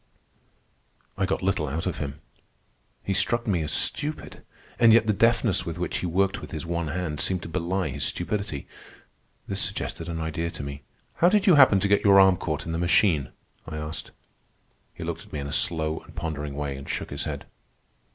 I got little out of him. He struck me as stupid, and yet the deftness with which he worked with his one hand seemed to belie his stupidity. This suggested an idea to me. "How did you happen to get your arm caught in the machine?" I asked. He looked at me in a slow and pondering way, and shook his head.